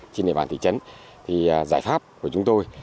trên địa bàn thị trấn thì giải pháp của chúng tôi